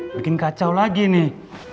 bikin kacau lagi nih